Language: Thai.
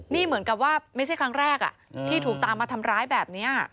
นี่เหมือนกับว่าไม่ใช่ครั้งแรกที่ถูกตามมาทำร้ายแบบนี้